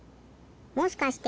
もしかして。